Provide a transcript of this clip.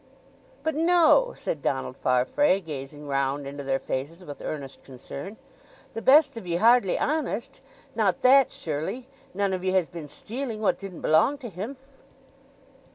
"But, no!" said Donald Farfrae, gazing round into their faces with earnest concern; "the best of ye hardly honest—not that surely? None of ye has been stealing what didn't belong to him?"